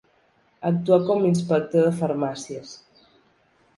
Actuà com inspector de farmàcies.